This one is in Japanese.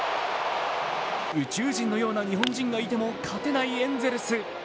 宇宙人のような日本人がいても勝てないエンゼルス。